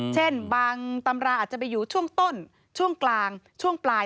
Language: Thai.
เช่นบางตำราอาจจะไปอยู่ช่วงต้นช่วงกลางช่วงปลาย